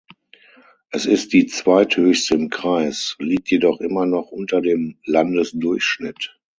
Es ist die zweithöchste im Kreis, liegt jedoch immer noch unter dem Landesdurchschnitt.